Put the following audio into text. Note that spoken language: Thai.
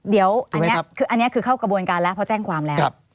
เดี๋ยวอันนี้คืออันนี้คือเข้ากระบวนการแล้วเพราะแจ้งความแล้ว